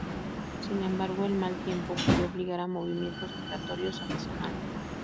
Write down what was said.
Sin embargo, el mal tiempo puede obligar a movimientos migratorios adicionales.